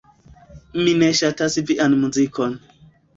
Mi ne ŝatas vian muzikon.